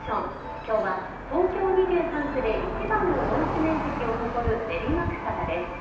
きょうは東京２３区でいちばんの農地面積を誇る練馬区からです。